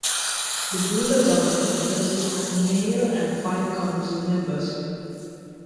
The Buhler government consists of a mayor and five council members.